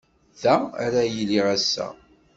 Da ara iliɣ ass-a.